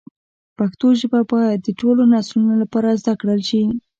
پښتو ژبه باید د ټولو نسلونو لپاره زده کړل شي.